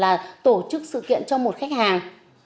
là hai triệu tám là tổ chức sự kiện cho một khách hàng